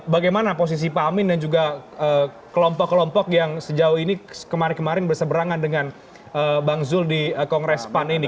bagaimana posisi pak amin dan juga kelompok kelompok yang sejauh ini kemarin kemarin berseberangan dengan bang zul di kongres pan ini